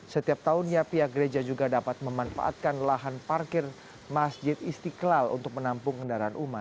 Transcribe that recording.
setiap tahunnya pihak gereja juga dapat memanfaatkan lahan parkir masjid istiqlal untuk menampung kendaraan umat